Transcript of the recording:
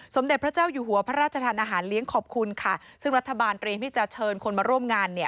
สมเด็จพระเจ้าอยู่หัวพระราชทานอาหารเลี้ยงขอบคุณค่ะซึ่งรัฐบาลเตรียมที่จะเชิญคนมาร่วมงานเนี่ย